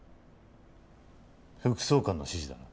副総監の指示だな？